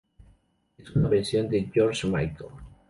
Es una versión de George Michael.